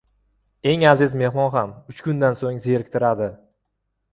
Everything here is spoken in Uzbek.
• Eng aziz mehmon ham uch kundan so‘ng zeriktiradi.